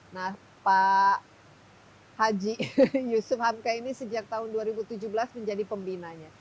nah pak haji yusuf hamka ini sejak tahun dua ribu tujuh belas menjadi pembinanya